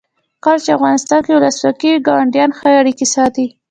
کله چې افغانستان کې ولسواکي وي ګاونډیان ښه اړیکې ساتي.